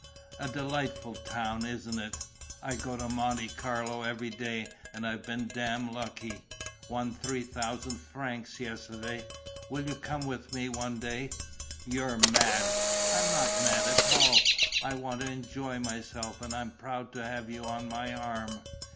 A delightful town, isn't it? I go to Monte Carlo every day and I've been damned lucky. Won three thousand francs yesterday. Will you come with me one day?" "You're mad!" "I'm not mad at all. I want to enjoy myself. And I'm proud to have you on my arm."